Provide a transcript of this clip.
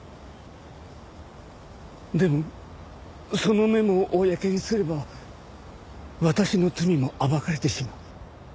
でもそのメモを公にすれば私の罪も暴かれてしまう。